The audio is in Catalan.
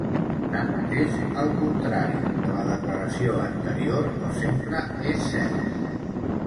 Tanmateix, el contrari de la declaració anterior no sempre és cert.